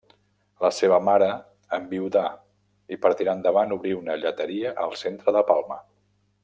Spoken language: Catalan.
La seva mare enviudà i per tirar endavant obrí una lleteria al centre de Palma.